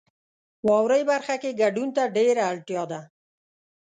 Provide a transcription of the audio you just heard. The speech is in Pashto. واورئ برخه کې ګډون ته ډیره اړتیا ده.